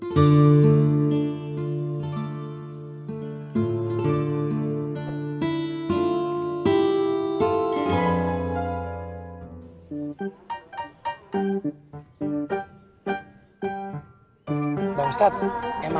bang ustadz emangnya nunggu apain sih bang ustadz